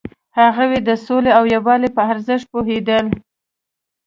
هغوی د سولې او یووالي په ارزښت پوهیدل.